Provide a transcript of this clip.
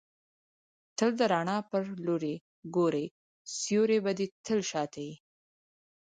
تل د رڼا پر لوري ګورئ! سیوری به دي تل شاته يي.